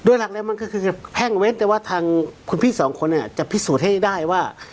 หลักเลยมันก็คือแพ่งเว้นแต่ว่าทางคุณพี่สองคนเนี่ยจะพิสูจน์ให้ได้ว่า